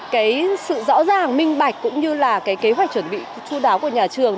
cái sự rõ ràng minh bạch cũng như là cái kế hoạch chuẩn bị chú đáo của nhà trường